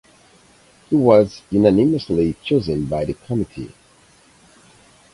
He was unanimously chosen by the committee.